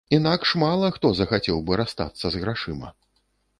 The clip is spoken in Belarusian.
Інакш мала хто захацеў бы расстацца з грашыма.